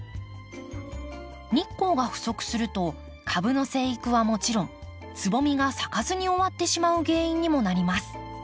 日光が不足すると株の生育はもちろんつぼみが咲かずに終わってしまう原因にもなります。